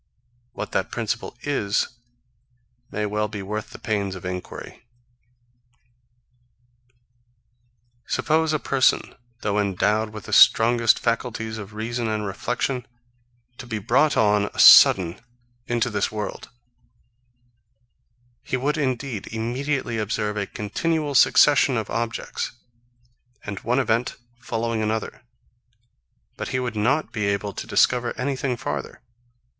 What that principle is may well be worth the pains of enquiry. 35. Suppose a person, though endowed with the strongest faculties of reason and reflection, to be brought on a sudden into this world; he would, indeed, immediately observe a continual succession of objects, and one event following another; but he would not be able to discover anything farther.